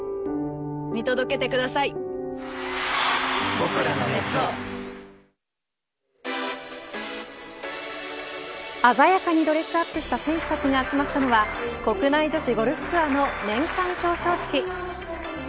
「ニベアメンアクティブエイジ」集中ケアも鮮やかにドレスアップした選手たちが集まったのは国内女子ゴルフツアーの年間表彰式。